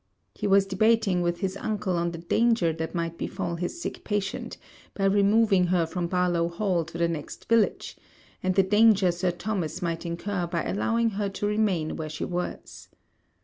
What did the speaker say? He was debating with his uncle on the danger that might befal his sick patient, by removing her from Barlowe Hall to the next village, and the danger Sir Thomas might incur by allowing her to remain where she was.